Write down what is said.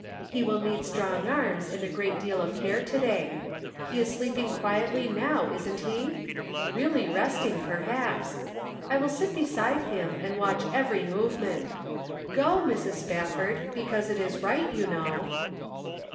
He will need strong arms and a great deal of care to day. He is sleeping quietly now, isn't he ? Really resting, perhaps. I will sit beside him and watch every move ment. G o, Mrs. Spafford, because it is right, you know."